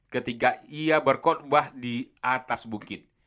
ketika ia berkotbah di atas bukit